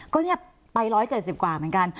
ก็เนี่ยไป๑๗๐กว่าเหมือนกัน